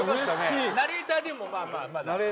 ナレーターでもまあまあ。